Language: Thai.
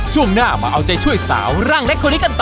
ช่วงหน้ามาเอาใจช่วยสาวร่างเล็กคนนี้กันต่อ